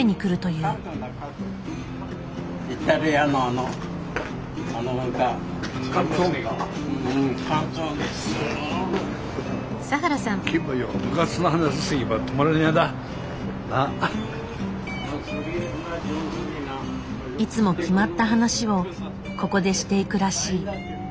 いつも決まった話をここでしていくらしい。